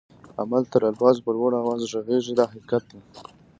عمل تر الفاظو په لوړ آواز ږغيږي دا حقیقت دی.